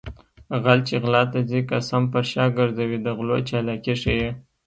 غل چې غلا ته ځي قسم پر شا ګرځوي د غلو چالاکي ښيي